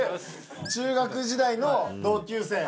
中学時代の同級生。